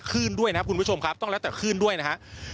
ขึ้นด้วยนะครับคุณผู้ชมครับต้องแล้วแต่คลื่นด้วยนะครับ